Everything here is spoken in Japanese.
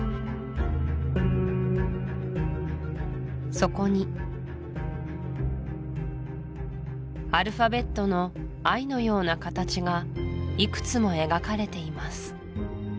そこにアルファベットのＩのような形がいくつも描かれています